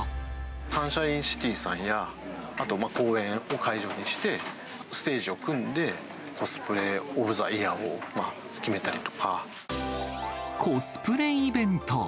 サンシャインシティさんやあと、公園を会場にして、ステージを組んで、コスプレオブザイヤーコスプレイベント。